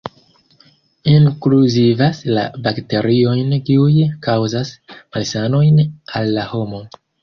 Inkluzivas la bakteriojn kiuj kaŭzas malsanojn al la homo.